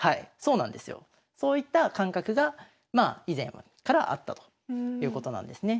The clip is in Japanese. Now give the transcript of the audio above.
そういった感覚がまあ以前からあったということなんですね。